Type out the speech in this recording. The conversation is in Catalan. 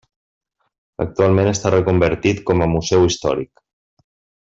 Actualment està reconvertit com a museu històric.